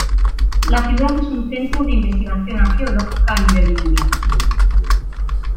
La ciudad es un centro de investigación arqueológica a nivel mundial.